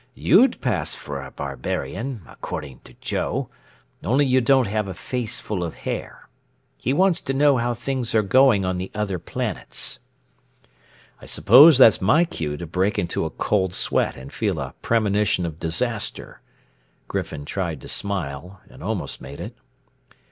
You'd pass for a barbarian, according to Joe, only you don't have a faceful of hair. He wants to know how things are going on the other planets." "I suppose that's my cue to break into a cold sweat and feel a premonition of disaster." Griffin tried to smile and almost made it.